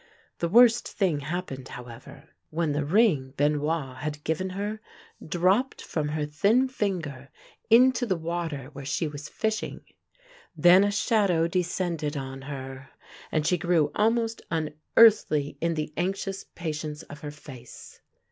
The worst thing happened, however, when the ring 154 THE LANE THAT HAD NO TURNING Benoit had given her dropped from her thin finger into the water where she was fishing. Then a shadow descended on her, and she grew almost unearthly in the anxious patience of her face.